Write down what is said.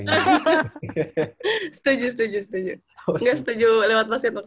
mungkin beasiswa lewat mamanya mungkin